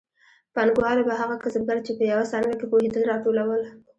پانګوالو به هغه کسبګر چې په یوه څانګه کې پوهېدل راټولول